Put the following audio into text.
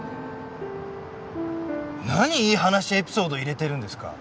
何いい話エピソードを入れてるんですか！